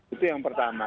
itu yang pertama